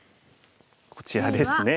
こちらですね。